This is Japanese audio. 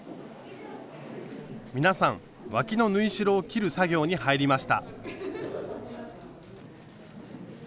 皆さんわきの縫い代を切る作業に入りました。